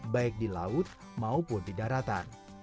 baik di laut maupun di daratan